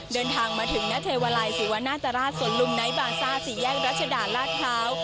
เดินทางมาถึงณเทวาลัยศิวนาตราชสวนลุมไนท์บาซ่าสี่แยกรัชดาลาดพร้าว